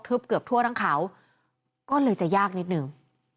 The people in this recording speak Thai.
เกือบทั่วทั้งเขาก็เลยจะยากนิดนึง